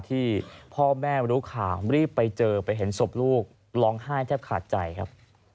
ที่พ่อแม่รู้ข่าวรีบไปเจอไปเห็นศพลูกร้องไห้แทบขาดใจครับ